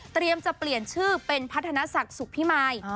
จะเปลี่ยนชื่อเป็นพัฒนศักดิ์สุขพิมาย